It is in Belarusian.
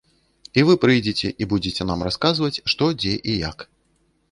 І вы прыйдзіце, і будзеце нам расказваць, што, дзе і як.